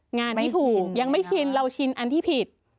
งานนี้ถูกยังไม่ชินเราชินอันที่ผิด